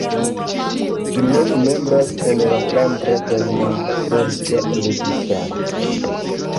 Ĝi nun membras en la flandra kaj la belga registaroj.